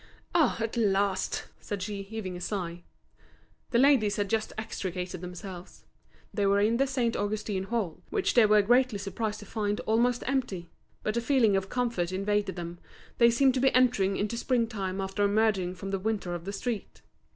"Ah, at last!" said she, heaving a sigh. The ladies had just extricated themselves. They were in the Saint Augustin Hall, which they were greatly surprised to find almost empty. But a feeling of comfort invaded them, they seemed to be entering into spring time after emerging from the winter of the street.